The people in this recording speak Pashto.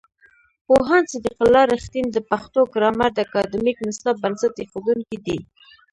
پوهاند صدیق الله رښتین د پښتو ګرامر د اکاډمیک نصاب بنسټ ایښودونکی دی.